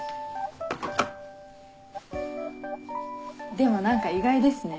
でも何か意外ですね。